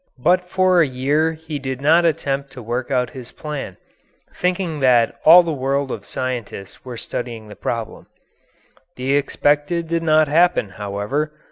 But for a year he did not attempt to work out his plan, thinking that all the world of scientists were studying the problem. The expected did not happen, however.